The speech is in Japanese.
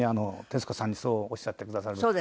徹子さんにそうおっしゃってくださるのは。